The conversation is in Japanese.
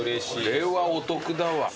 これはお得だわ。